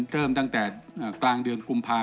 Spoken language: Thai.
เริ่มตั้งแต่กลางเดือนกุมภาพ